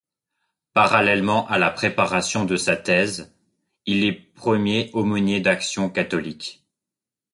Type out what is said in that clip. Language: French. Parallèlement à la préparation de sa thèse, il est premier aumônier d'action catholique.